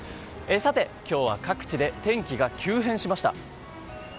今日は各地で天気が急変しました。